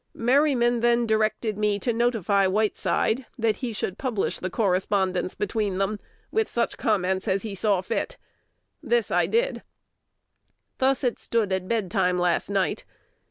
Merryman then directed me to notify Whiteside that he should publish the correspondence between them, with such comments as he thought fit. This I did. Thus it stood at bedtime last night.